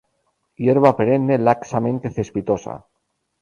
Hierba perenne laxamente cespitosa.